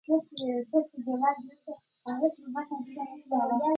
مالي چارې د ټولنې د پرمختګ بنسټ دی.